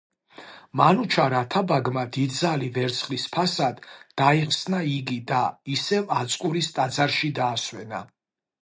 მანუჩარ ათაბაგმა დიდძალი ვერცხლის ფასად დაიხსნა იგი და ისევ აწყურის ტაძარში დაასვენა.